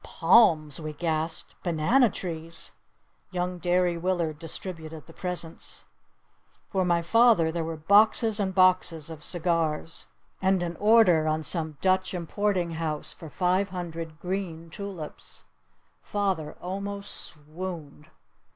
"Palms?" we gasped. "Banana trees?" Young Derry Willard distributed the presents. For my father there were boxes and boxes of cigars! And an order on some Dutch importing house for five hundred green tulips! Father almost sw ooned.